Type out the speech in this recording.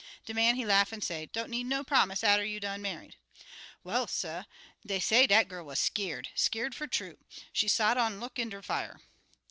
De man he laugh, an' say, 'Don't need no promise atter you done married.' "Well, suh, dey say dat gal wuz skeer'd skeer'd fer true. She sot on' look in der fire.